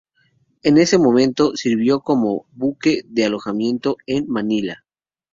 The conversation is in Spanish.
En ese momento, sirvió como buque de alojamiento en Manila.